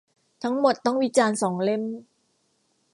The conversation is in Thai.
ทั้งหมดต้องวิจารณ์สองเล่ม